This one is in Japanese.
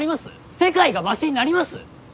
世界がましになります？